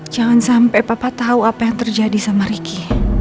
jangan sampe papa tau apa yang terjadi sama riki